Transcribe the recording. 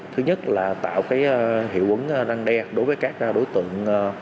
thứ nhất là tạo cái hiệu quấn năng đe đối với các đối tượng